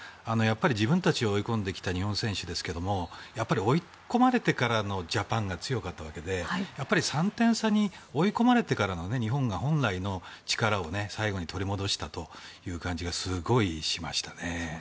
自分たちを追い込んできた日本選手ですけどやはり追い込まれてからのジャパンが強かったわけで３点差に追い込まれてからの日本が、本来の力を最後に取り戻したという感じがすごいしましたね。